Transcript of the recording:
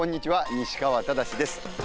西川忠志です。